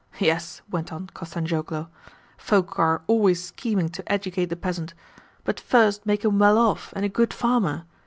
"Yes," went on Kostanzhoglo, "folk are always scheming to educate the peasant. But first make him well off and a good farmer.